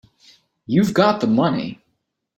You've got the money.